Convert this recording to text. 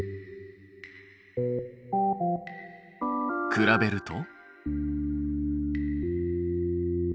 比べると。